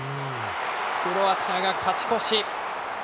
クロアチアが勝ち越し。